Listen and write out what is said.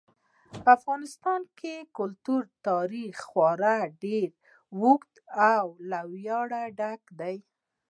په افغانستان کې د کلتور تاریخ خورا ډېر اوږد او له ویاړه ډک دی.